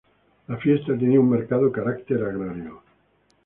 La fiesta tenía un marcado carácter agrario.